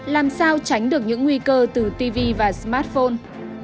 làm sao tránh được những nguy cơ từ tv và smartphone